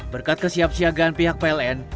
berkat kesiapsiagaan pihak pln